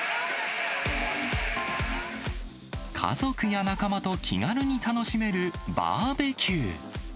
家族や仲間と気軽に楽しめるバーベキュー。